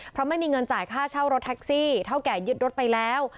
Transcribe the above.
เพราะไม่มีเงินจ่ายค่าเช่ารถแท็กซี่เท่าแก่ยึดรถไปแล้ว